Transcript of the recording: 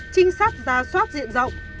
trinh sát ra soát diện rộng